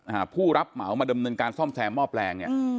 หาผู้รับเหมามาดำเนินการซ่อมแทรมมอบแรง